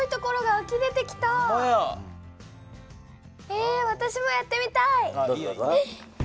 え私もやってみたい。